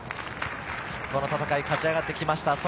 この戦いを勝ち上がってきました。